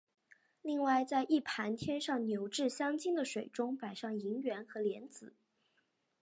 另外在一盘添上牛至香精的水中摆上银元和莲子。